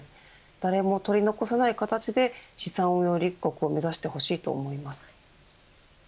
誰もとり残さない形で資産運用立国を目指してほしいと思います。